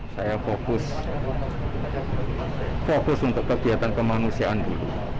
saya fokus untuk kegiatan kemanusiaan dulu